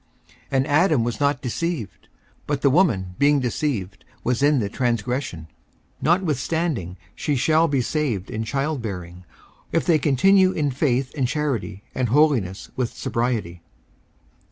54:002:014 And Adam was not deceived, but the woman being deceived was in the transgression. 54:002:015 Notwithstanding she shall be saved in childbearing, if they continue in faith and charity and holiness with sobriety.